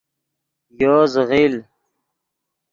یو زیغیل